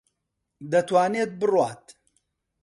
دەتوانێت بڕوات.